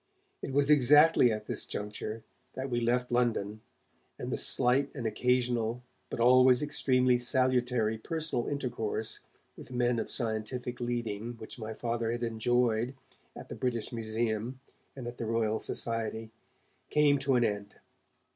It was exactly at this juncture that we left London, and the slight and occasional but always extremely salutary personal intercourse with men of scientific leading which my Father had enjoyed at the British Museum and at the Royal Society came to an end.